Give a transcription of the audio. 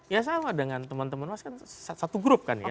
ya sama dengan teman teman mas kan satu grup kan ya